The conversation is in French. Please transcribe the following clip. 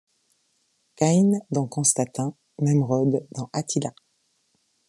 Caïn dans Constantin, Nemrod dans Attila !